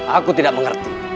aku tidak mengerti